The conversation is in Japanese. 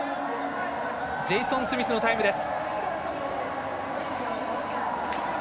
ジェイソン・スミスのタイムです。